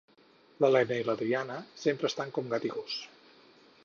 L'Elena i l'Adriana sempre estan com gat i gos